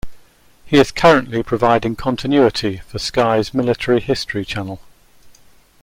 He is currently providing continuity for Sky's Military History Channel.